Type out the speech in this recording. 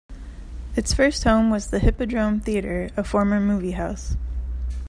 Its first home was the Hippodrome Theatre, a former movie house.